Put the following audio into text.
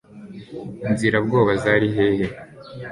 inzira bwoba zari hehe